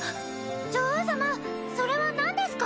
女王様それはなんですか？